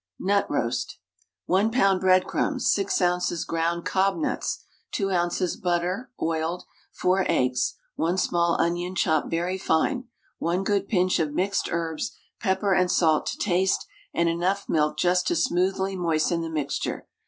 NUTROAST. 1 lb. breadcrumbs, 6 oz. ground cob nuts, 2 oz. butter (oiled), 4 eggs; 1 small onion chopped very fine, 1 good pinch of mixed herbs, pepper and salt to taste, and enough milk just to smoothly moisten the mixture.